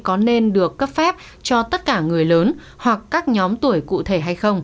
có nên được cấp phép cho tất cả người lớn hoặc các nhóm tuổi cụ thể